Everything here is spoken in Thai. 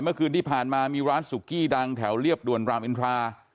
เมื่อคืนที่ผ่านมามีร้านสุกี้ดังแถวเรียบด่วนรามอินทรา